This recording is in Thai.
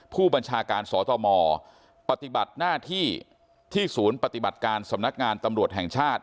ผู้บัญชาการสตมปฏิบัติหน้าที่ที่ศูนย์ปฏิบัติการสำนักงานตำรวจแห่งชาติ